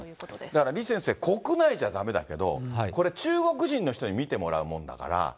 だから李先生、国内じゃだめだけど、これ、中国人の人に見てもらうものだから。